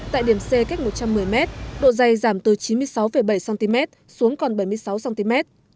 tại điểm c cách một trăm một mươi m độ dày giảm từ chín mươi sáu bảy cm xuống còn bảy mươi sáu cm